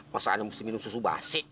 masa anda mesti minum susu basi